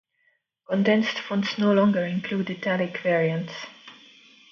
Condensed fonts no longer include italic variants.